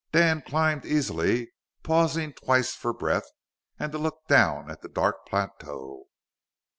Dan climbed easily, pausing twice for breath, and to look down at the dark plateau.